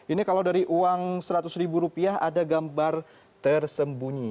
ini kalau dari uang rp seratus ada gambar tersembunyi